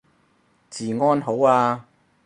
治安好啊